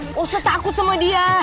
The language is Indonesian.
gak usah takut sama dia